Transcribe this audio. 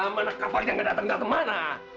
mana kampaknya yang datang datang mana